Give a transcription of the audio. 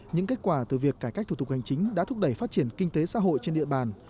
những kết quả từ việc cải cách thủ tục hành chính đã thúc đẩy phát triển kinh tế xã hội trên địa bàn